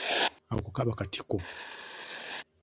Ako kaba katiko.